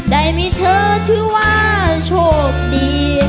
ได้มีเธอชื่อว่าโชคดี